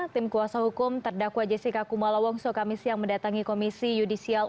tim kuasa hukum terdakwa jessica kumalawong soekamis yang mendatangi komisi yudisial